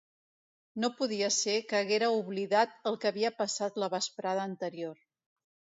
No podia ser que haguera oblidat el que havia passat la vesprada anterior.